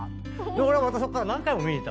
俺またそっから何回も見に行ったもん。